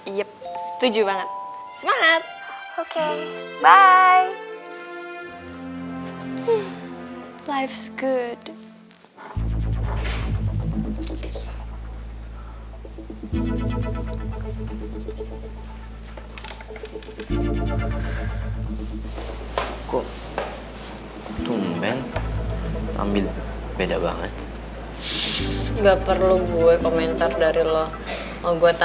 yup setuju banget